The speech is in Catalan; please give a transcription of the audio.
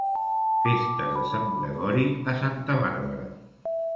Festes de Sant Gregori a Santa Bàrbara.